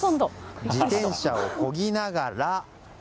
自転車をこぎながら。